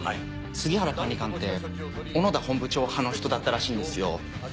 杉原管理官って小野田本部長派の人だったらしいんですよ。